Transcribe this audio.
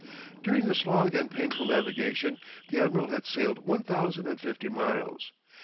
During this long and painful navigation, the admiral had sailed one thousand and fifty miles.